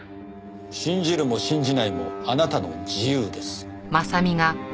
信じるも信じないもあなたの自由です。